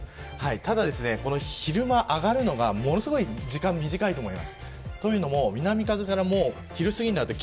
ただ、昼間上がるのがものすごい時間短いと思います。